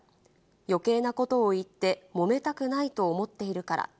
よけいなことを言って、もめたくないと思っているから。